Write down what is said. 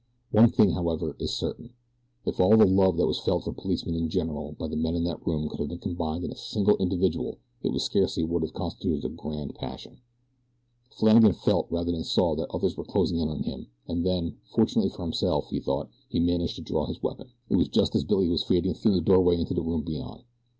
One thing, however, is certain if all the love that was felt for policemen in general by the men in that room could have been combined in a single individual it still scarcely would have constituted a grand passion. Flannagan felt rather than saw that others were closing in on him, and then, fortunately for himself, he thought, he managed to draw his weapon. It was just as Billy was fading through the doorway into the room beyond.